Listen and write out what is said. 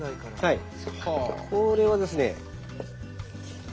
これはですね